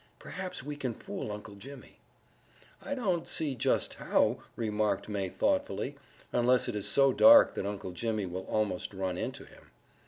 Perhaps we can fool Uncle Jimmy." "I don't see just how," remarked May thoughtfully, "unless it is so dark that Uncle Jimmy will almost run into him."